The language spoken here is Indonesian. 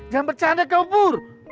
jangan bercanda kau pur